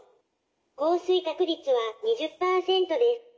降水確率は２０％です」。